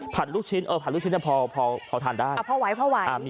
ผัดลูกชิ้นผัดลูกชิ้นพอทานได้พอไหว